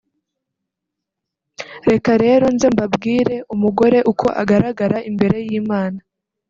reka rero nze mbabwire umugore uko agaragara imbere y’Imana